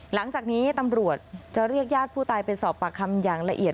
หลังจากนี้ตำรวจจะเรียกญาติผู้ตายไปสอบปากคำอย่างละเอียด